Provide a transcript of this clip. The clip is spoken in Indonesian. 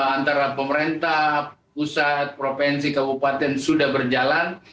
antara pemerintah pusat provinsi kabupaten sudah berjalan